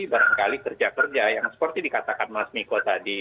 barangkali kerja kerja yang seperti dikatakan mas miko tadi